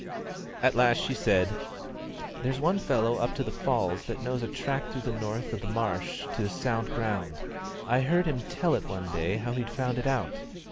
At last she said: "There's one fellow up to the falls that knows a track through the north of the marsh to sound ground; I heard him tell it one day how he'd found it out.